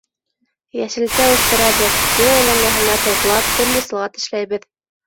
Йәшелсә үҫтерәбеҙ, йыл әйләнәһенә тоҙлап, төрлө салат эшләйбеҙ.